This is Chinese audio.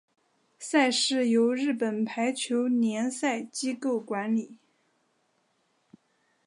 赛事由日本排球联赛机构管理。